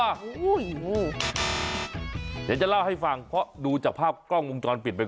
เดี๋ยวจะเล่าให้ฟังเพราะดูจากภาพกล้องวงจรปิดไป